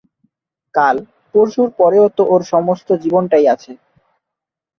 কাল-পরশুর পরেও তো ওর সমস্ত জীবনটাই আছে।